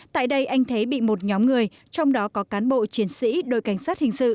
tại đây anh thế bị một nhóm người trong đó có cán bộ chiến sĩ đội cảnh sát hình sự